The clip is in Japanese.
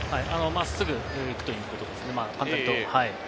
真っすぐ行くということですね。